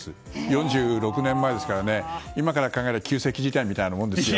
４６年前ですから今から考えると旧石器時代みたいなものですよ。